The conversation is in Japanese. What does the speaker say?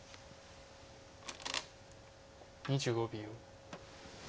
２５秒。